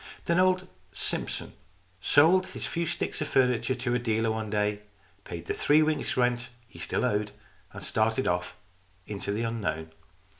Then old Simpson sold his few sticks of furniture to a dealer one day, paid the three weeks' rent he still owed, and started off into the unknown.